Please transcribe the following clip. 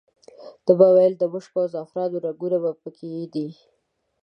ده به ویل د مشکو او زعفرانو رنګونه په کې دي.